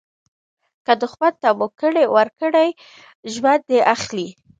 که دوښمن ته موکه ورکړي، ژوند دي اخلي.